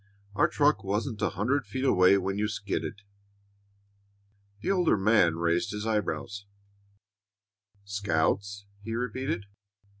Our truck wasn't a hundred feet away when you skidded." The older man raised his eyebrows. "Scouts!" he repeated.